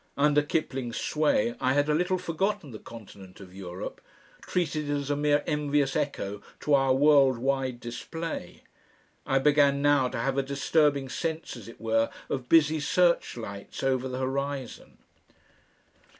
Under Kipling's sway I had a little forgotten the continent of Europe, treated it as a mere envious echo to our own world wide display. I began now to have a disturbing sense as it were of busy searchlights over the horizon....